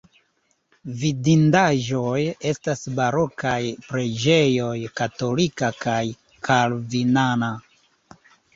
Vidindaĵoj estas barokaj preĝejoj katolika kaj kalvinana.